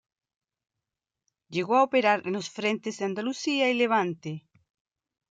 Llegó a operar en los frentes de Andalucía y Levante.